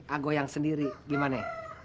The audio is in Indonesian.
aku yang sendiri gimana